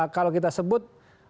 kalau kita sebut